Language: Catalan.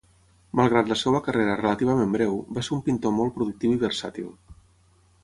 Malgrat la seva carrera relativament breu, va ser un pintor molt productiu i versàtil.